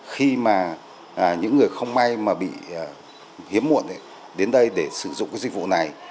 khi mà những người không may mà bị hiếm muộn đến đây để sử dụng cái dịch vụ này